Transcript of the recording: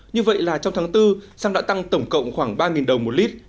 như vậy là trong tháng bốn xăng đã tăng tổng cộng khoảng ba đồng một lít